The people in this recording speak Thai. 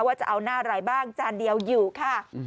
ว่าจะเอาหน้าอะไรบ้างจานเดียวอยู่ค่ะ